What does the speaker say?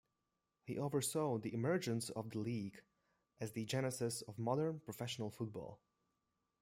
He oversaw the emergence of the league as the genesis of modern professional football.